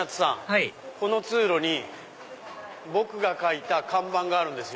はいこの通路に僕が描いた看板があるんですよ。